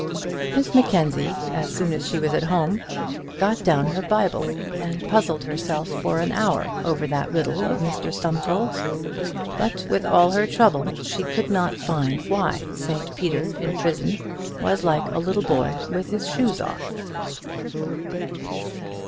Miss Mackenzie, as soon as she was at home, got down her Bible and puzzled herself for an hour over that riddle of Mr Stumfold's; but with all her trouble she could not find why St Peter in prison was like a little boy with his shoes off.